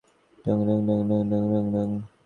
তিনি তীব্র প্রতিবাদ জানিয়েছিলেন।